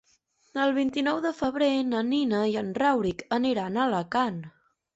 El vint-i-nou de febrer na Nina i en Rauric aniran a Alacant.